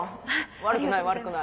悪くない悪くない。